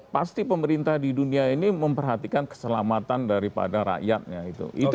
pasti pemerintah di dunia ini memperhatikan keselamatan daripada rakyatnya itu